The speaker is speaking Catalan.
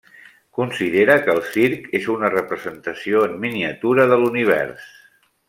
Considera que el circ és una representació en miniatura de l'univers.